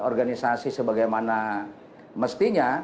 organisasi sebagaimana mestinya